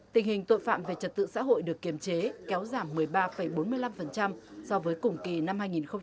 tình hình tội phạm về trật tự xã hội được kiềm chế kéo giảm một mươi ba bốn mươi năm so với cùng kỳ năm hai nghìn một mươi chín